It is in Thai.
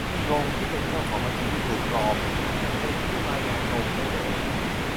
ตรงที่เป็นเจ้าของบัญชีที่ถูกปลอมเป็นผู้รายงานตรงด้วยตัวเอง